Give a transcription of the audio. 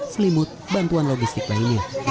selimut bantuan logistik lainnya